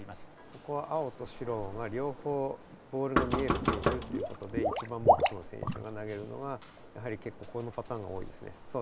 ここは青と白が両方ボールが見える選手っていうことで１番ボックスの選手が投げるのはやはり結構このパターンが多いですね。